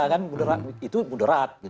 kan mudorot itu mudorot